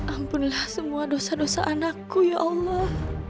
ampunlah semua dosa dosa anakku ya allah